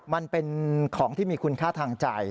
มันเป็นของที่มีคุณค่าทางใจ